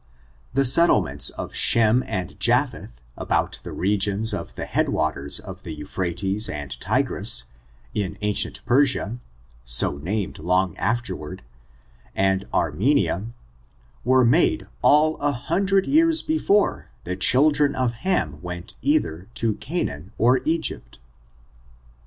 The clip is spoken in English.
The settlements of Shem and Japheth, about the regions of the head waters of the Euphrates and Tigris, in ancient Persia (so named long afterward) and Armenia, were made all a hundred years before the children of Ham went either to Canaan or Egypt.